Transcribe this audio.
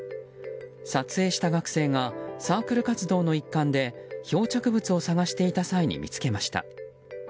撮影した学生がサークル活動の一環で漂着物を探していた際に見つけました。